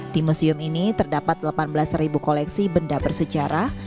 di museum ini terdapat delapan belas koleksi benda bersejarah